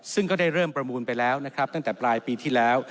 ซึ่งก็ได้เริ่มประมูลไปแล้วนะครับตั้งแต่ปลายปีที่แล้ว